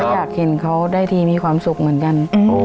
อยากเห็นเขาได้ทีมีความสุขเหมือนกัน